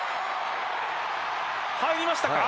入りましたか。